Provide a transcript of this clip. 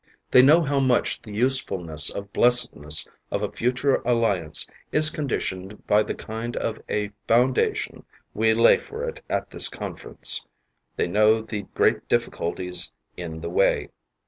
They know how much the usefulness of blessedness of a future Alliance is conditioned by the kind of a foundation we lay for it at this conference. They know the great difficulties in the way.